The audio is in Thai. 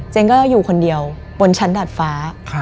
ก็อยู่คนเดียวบนชั้นดัดฟ้า